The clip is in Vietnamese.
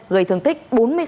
gây thương tích bốn mươi sáu